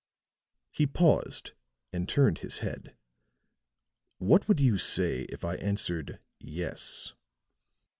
He paused, and turned his head. "What would you say if I answered yes?"